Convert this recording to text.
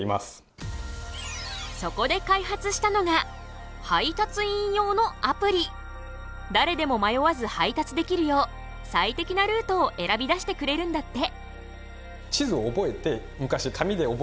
そこで開発したのが誰でも迷わず配達できるよう最適なルートを選び出してくれるんだって。